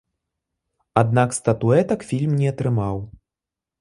Аднак статуэтак фільм не атрымаў.